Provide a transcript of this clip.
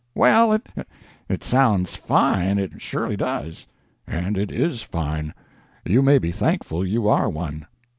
"Well, it—it sounds fine, it surely does." "And it is fine. You may be thankful you are one."